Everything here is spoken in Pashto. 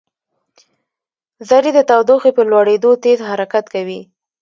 ذرې د تودوخې په لوړېدو تېز حرکت کوي.